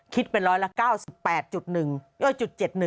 คิดเป็นร้อยละ๙๘๑๗๑